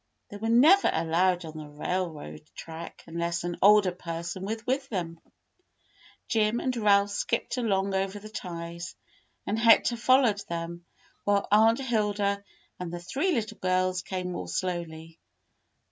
They were never allowed on the railroad track unless an older person was with them. Jim and Ralph skipped along over the ties, and Hector followed them, while Aunt Hilda and the three little girls came more slowly.